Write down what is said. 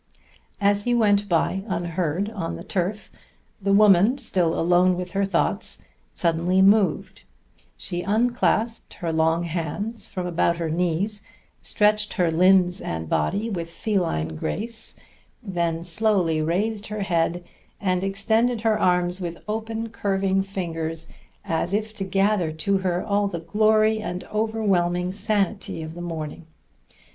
As he went by unheard on the turf the woman, still alone with her thoughts, suddenly moved. She unclasped her long hands from about her knees, stretched her limbs and body with feline grace, then slowly raised her head and extended her arms with open, curving fingers, as if to gather to her all the glory and overwhelming sanity of the morning.